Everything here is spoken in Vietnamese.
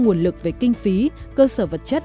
nguồn lực về kinh phí cơ sở vật chất